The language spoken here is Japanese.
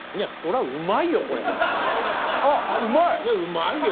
いやうまいよ。